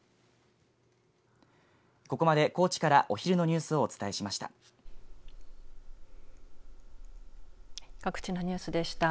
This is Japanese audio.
ここまで高知からお昼のニュースをお伝えしました。